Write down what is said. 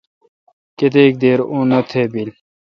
کیتک دیر اوں نتھ بیل۔